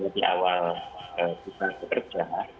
di awal kita bekerja